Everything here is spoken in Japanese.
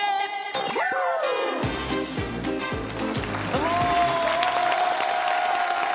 ・どうも！